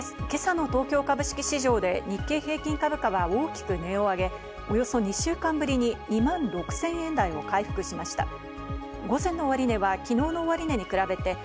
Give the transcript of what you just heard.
今朝の東京株式市場で日経平均株価は大きく値を上げ、およそ２週間ぶりに２万６０００円台を回復しました。